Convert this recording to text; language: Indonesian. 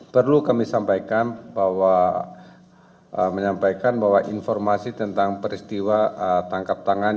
perlu kami menyampaikan bahwa informasi tentang peristiwa tangkap tangan